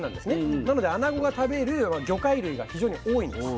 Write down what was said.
なのであなごが食べる魚介類が非常に多いんです。